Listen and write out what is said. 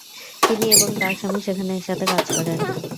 তিনি এবং তার স্বামী সেখানে একসাথে কাজ করেন।